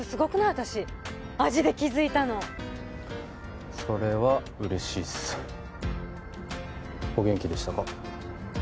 私味で気づいたのそれは嬉しいっすお元気でしたか？